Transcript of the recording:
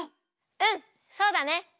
うんそうだね！